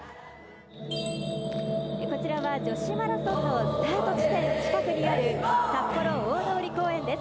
こちらは女子マラソンのスタート地点近くにある札幌大通り公園です。